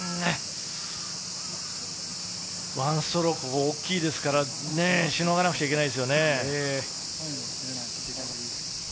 １ストローク大きいですから、凌がなくちゃいけないですね。